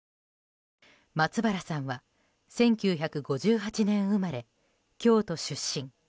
松原さんは１９５８年生まれ京都出身。